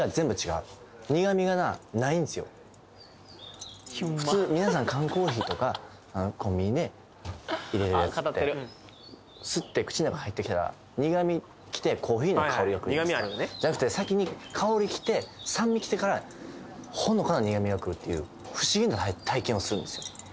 あと普通皆さん缶コーヒーとかコンビニでいれるやつってスッて口の中入ってきたら苦味きてコーヒーの香りがくるじゃないですかじゃなくて先に香りきて酸味きてからほのかな苦味がくるっていう不思議な体験をするんですよ